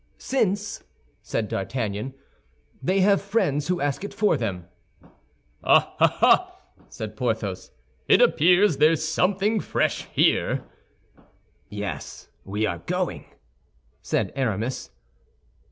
"Since," said D'Artagnan, "they have friends who ask it for them." "Ah, ah!" said Porthos, "it appears there's something fresh here." "Yes, we are going—" said Aramis.